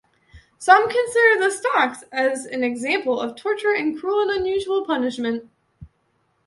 Some consider the stocks as an example of torture and cruel and unusual punishment.